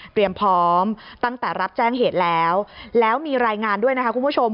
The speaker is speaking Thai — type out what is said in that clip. พร้อมตั้งแต่รับแจ้งเหตุแล้วแล้วมีรายงานด้วยนะคะคุณผู้ชม